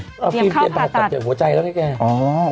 เพราะฟิล์มเปลี่ยนกับหัวใจแล้วนี่แก